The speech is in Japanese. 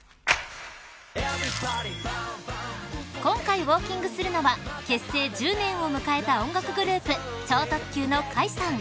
［今回ウオーキングするのは結成１０年を迎えた音楽グループ超特急のカイさん］